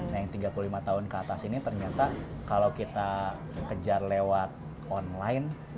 nah yang tiga puluh lima tahun ke atas ini ternyata kalau kita kejar lewat online